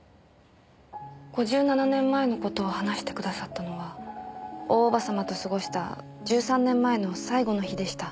５７年前の事を話してくださったのは大叔母様と過ごした１３年前の最後の日でした。